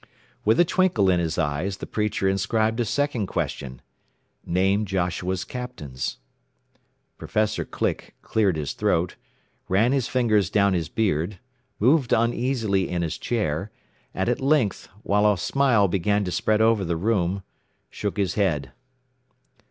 With a twinkle in his eyes, the preacher inscribed a second question, "Name Joshua's captains." Prof. Click cleared his throat, ran his fingers down his beard, moved uneasily in his chair, and at length, while a smile began to spread over the room, shook his head.